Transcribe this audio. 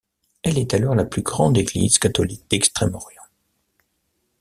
Elle est alors la plus grande église catholique d’Extrême-Orient.